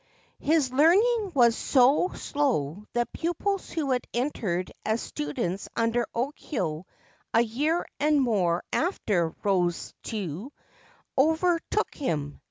His learning was so slow that pupils who had entered as students under Okyo a year and more after Rosetsu overtook him.